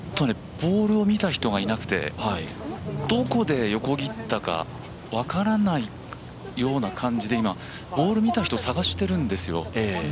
ボールを見た人がいなくてどこで横切ったか分からないような形でボール見た人を探してるんですよ。